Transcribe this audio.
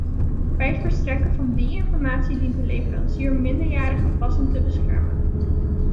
Bij het verstrekken van die informatie dient de leverancier minderjarigen passend te beschermen.